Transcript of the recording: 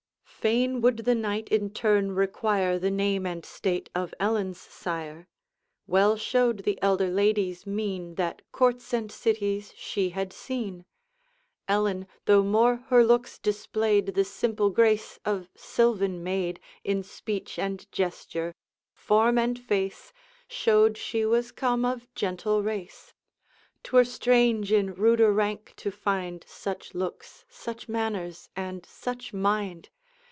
Fain would the Knight in turn require The name and state of Ellen's sire. Well showed the elder lady's mien That courts and cities she had seen; Ellen, though more her looks displayed The simple grace of sylvan maid, In speech and gesture, form and face, Showed she was come of gentle race. 'T were strange in ruder rank to find Such looks, such manners, and such mind.